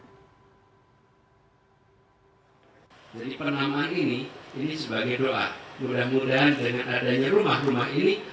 jadi penamaan ini ini sebagai